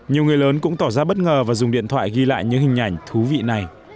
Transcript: nhiều người lớn cũng tỏ ra bất ngờ và dùng điện thoại ghi lại những hình ảnh thú vị này